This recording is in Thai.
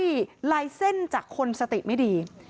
ที่ไล่เส้นจากคนสติไม่ดี